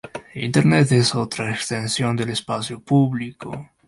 Internet es otra extensión del espacio público